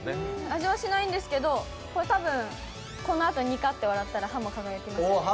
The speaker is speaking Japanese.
味はしないんですけど、多分このあとニカッと笑ったら、歯も輝きます。